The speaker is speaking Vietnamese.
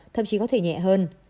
thậm chí có thể nhẹ hơn